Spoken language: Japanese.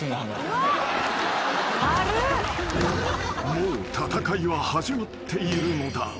［もう戦いは始まっているのだ］